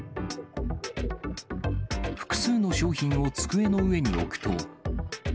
複数の商品を机の上に置くと。